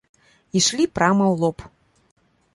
Ішлі прама ў лоб.